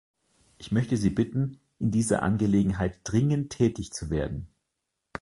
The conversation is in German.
Ich möchte Sie bitten, in dieser Angelegenheit dringend tätig zu werden.